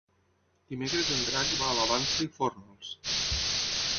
Dimecres en Drac va a la Vansa i Fórnols.